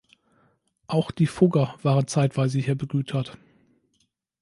Auch die Fugger waren zeitweise hier begütert.